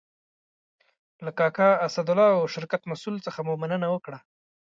له کاکا اسدالله او شرکت مسئول څخه مو مننه وکړه.